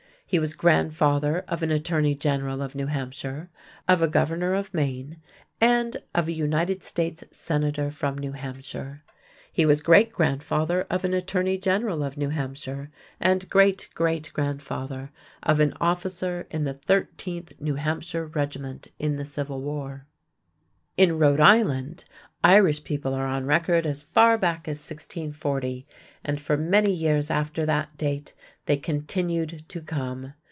He was grandfather of an attorney general of New Hampshire, of a governor of Maine, and of a United States Senator from New Hampshire. He was great grandfather of an attorney general of New Hampshire, and great great grandfather of an officer in the Thirteenth New Hampshire regiment in the Civil War. In Rhode Island, Irish people are on record as far back as 1640, and for many years after that date they continued to come.